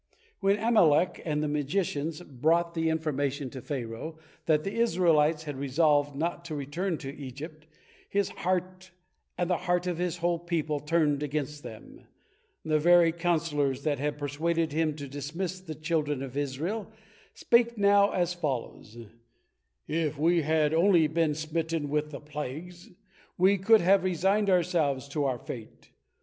When Amalek and the magicians brought the information to Pharaoh, that the Israelites had resolved not to return to Egypt, his heart and the heart of his whole people turned against them. The very counselors that had persuaded him to dismiss the children of Israel spake now as follows: " If we had only been smitten with the plaques, we could have resigned ourselves to our fate.